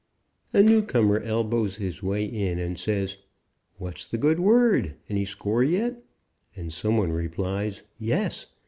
A newcomer elbows his way in and says: "What's the good word? Any score yet?" and some one replies: "Yes.